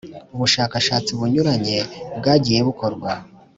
ubushakashatsi bunyuranye bwagiye bukorwa,